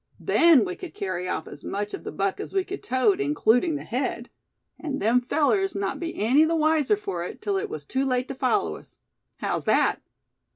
Then we could carry off as much of the buck as we could tote, including the head; and them fellers not be any the wiser for it, till it was too late to follow us! How's that?"